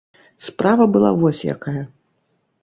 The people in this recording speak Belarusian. Справа была вось якая.